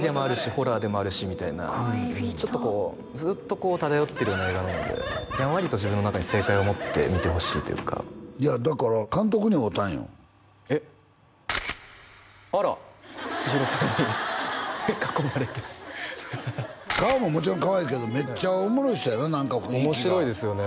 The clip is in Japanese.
ホラーでもあるしみたいなちょっとこうずっと漂ってるような映画なのでやんわりと自分の中に正解を持って見てほしいというかいやだから監督に会うたんよえっあらちひろさんに囲まれて顔ももちろんかわいいけどめっちゃおもろい人やな何か雰囲気が面白いですよね